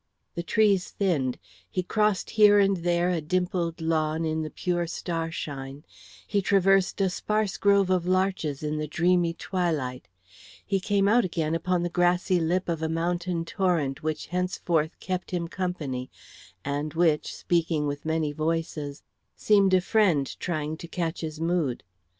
The trees thinned, he crossed here and there a dimpled lawn in the pure starshine, he traversed a sparse grove of larches in the dreamy twilight, he came out again upon the grassy lip of a mountain torrent which henceforth kept him company, and which, speaking with many voices, seemed a friend trying to catch his mood.